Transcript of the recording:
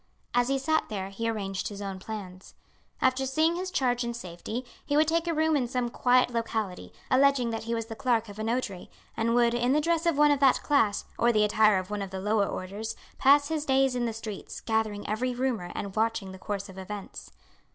As he sat there he arranged his own plans. After seeing his charge in safety he would take a room in some quiet locality, alleging that he was the clerk of a notary, and would, in the dress of one of that class, or the attire of one of the lower orders, pass his days in the streets, gathering every rumour and watching the course of events.